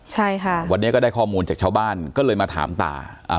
ใช่ค่ะวันนี้ก็ได้ข้อมูลจากชาวบ้านก็เลยมาถามตาอ่า